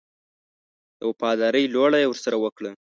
د وفاداري لوړه یې ورسره وکړه.